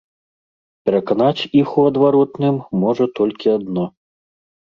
Пераканаць іх у адваротным можа толькі адно.